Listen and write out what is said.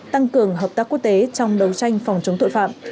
tăng cường hợp tác quốc tế trong đấu tranh phòng chống tội phạm